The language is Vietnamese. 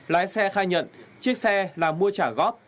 lái xe khai nhận chiếc xe là mua trả góp